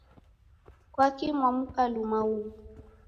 Kwaki mwamuka luma huw'u?